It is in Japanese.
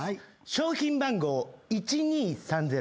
商品番号１２３０